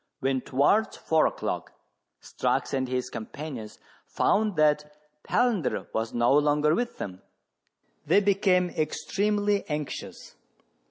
When, towards four o'clock, Strux and his companions found that Palander was no longer with them, they became extremely anxious.